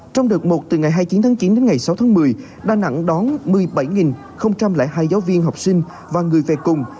trong đợt một từ ngày hai mươi chín tháng chín đến ngày sáu tháng một mươi đà nẵng đón một mươi bảy hai giáo viên học sinh và người về cùng